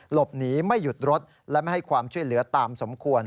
หลบหนีไม่หยุดรถและไม่ให้ความช่วยเหลือตามสมควร